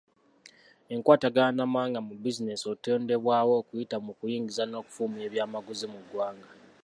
Enkwatagana n'amawanga mu bizinensi etondebwawo okuyita mu kuyingiza n'okufulumya ebyamaguzi mu ggwanga.